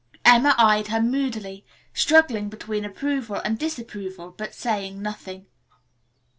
Emma eyed her moodily, struggling between approval and disapproval, but saying nothing.